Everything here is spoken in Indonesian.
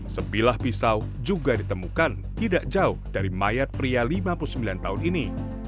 sebilah pisau juga ditemukan tidak jauh dari mayat pria lima puluh sembilan tahun ini